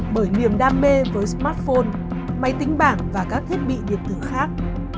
bởi niềm đam mê với smartphone máy tính bảng và các thiết bị điện tử khác